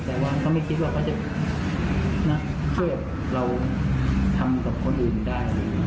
แต่ว่าเขาไม่คิดว่าเขาจะช่วยเราทำกับคนอื่นได้